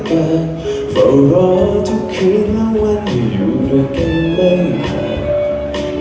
เฝ้ารอทุกคืนแล้วว่าจะอยู่ด้วยกันไม่หาก